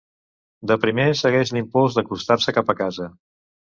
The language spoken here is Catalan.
De primer segueix l'impuls d'acostar-se cap a casa.